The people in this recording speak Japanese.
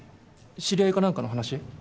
知り合いか何かの話？